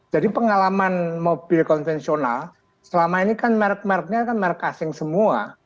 jadi pengalaman mobil konvensional selama ini kan merk merknya kan merk asing semua